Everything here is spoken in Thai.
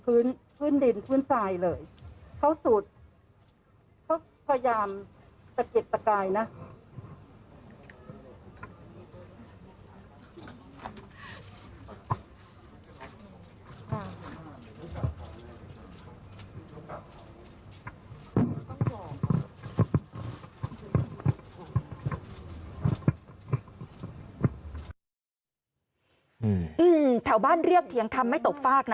อืมอืมแถวบ้านเรียกเถียงทำไม่ตกฟากนะ